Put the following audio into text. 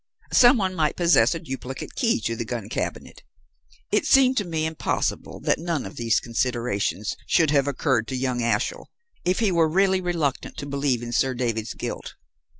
Some one might possess a duplicate key to the gun cabinet. It seemed to me impossible that none of these considerations should have occurred to young Ashiel, if he were really reluctant to believe in Sir David's guilt.